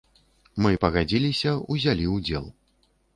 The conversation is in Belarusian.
Мы пагадзіліся, узялі ўдзел.